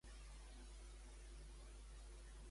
En quina sèrie espanyola va participar?